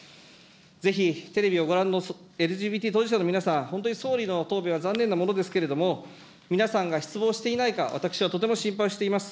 ぜひ、テレビをご覧のＬＧＢＴ当事者の皆さん、本当に総理の答弁は残念なものですけれども、皆さんが失望していないか、私はとても心配しています。